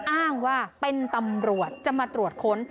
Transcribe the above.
อ้างว่าเป็นตำรวจจะมาตรวจค้น